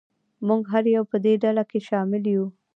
موږ هر یو په دې ډله کې شامل یو.